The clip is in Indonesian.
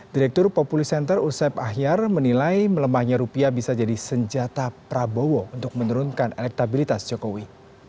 direktur populi center usep ahyar menilai melemahnya rupiah bisa jadi senjata prabowo untuk menurunkan elektabilitas jokowi